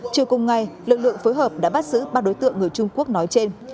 chiều cùng ngày lực lượng phối hợp đã bắt giữ ba đối tượng người trung quốc nói trên